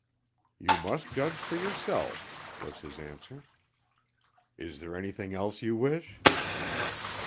"You must judge for yourself," was his answer. "Is there anything else you wish?"